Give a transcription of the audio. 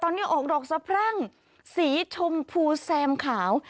ตอนนี้ออกดอกสะพรั่งสีชมพูแซมขาว